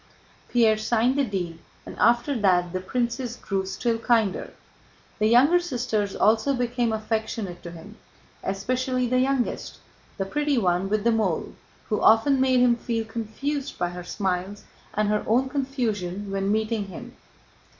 Pierre signed the deed and after that the princess grew still kinder. The younger sisters also became affectionate to him, especially the youngest, the pretty one with the mole, who often made him feel confused by her smiles and her own confusion when meeting him.